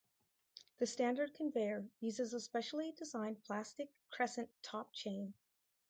The standard conveyor uses a specially designed plastic crescent top chain.